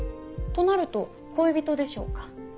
となると恋人でしょうか？